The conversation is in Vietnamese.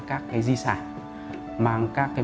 các cái di sản mang các cái